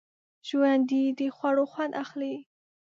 ژوندي د خوړو خوند اخلي